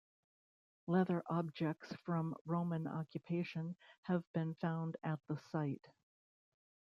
Leather objects from Roman occupation have been found at the site.